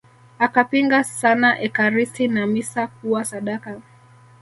Akapinga sana Ekaristi na misa kuwa sadaka